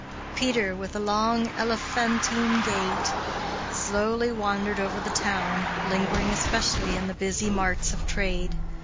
Peter, with a long, elephantine gait, slowly wandered over the town, lingering especially in the busy marts of trade.